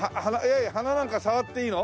鼻鼻なんか触っていいの？